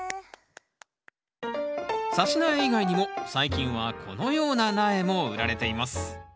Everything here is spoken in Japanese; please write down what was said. さし苗以外にも最近はこのような苗も売られています